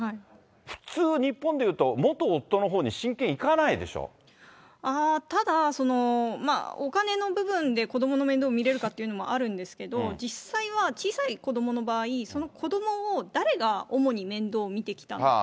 普通、日本でいうと、ただ、お金の部分で子どもの面倒見れるかっていうのもあるんですけど、実際は小さい子どもの場合、その子どもを誰が主に面倒を見てきたのか。